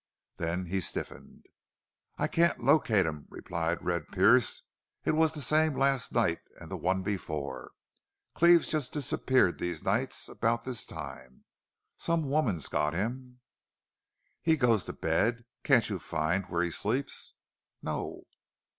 Then he stiffened. "I can't locate him," replied Red Pearce. "It was the same last night an' the one before. Cleve jest disappears these nights about this time.... Some woman's got him!" "He goes to bed. Can't you find where he sleeps?" "No."